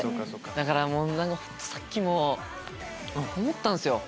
だから本当さっきも思ったんすよ。